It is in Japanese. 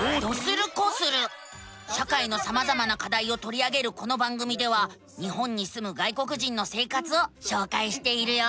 社会のさまざまなかだいをとり上げるこの番組では日本にすむ外国人の生活をしょうかいしているよ。